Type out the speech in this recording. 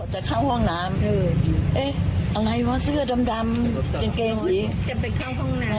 จะเข้าห้องน้ำเอ๊ะอะไรวะเสื้อดำดำเกงเกงดีจะไปเข้าห้องน้ำ